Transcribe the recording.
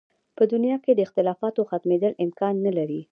په دې دنیا کې د اختلافاتو ختمېدل امکان نه لري.